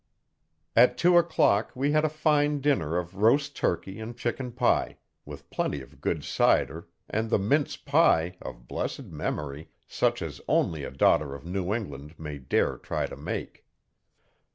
At two o'clock we had a fine dinner of roast turkey and chicken pie, with plenty of good cider, and the mince pie, of blessed memory, such as only a daughter of New England may dare try to make.